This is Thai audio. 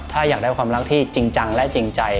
ถ้าอยากได้ความรักที่จริงจังและจริงใจ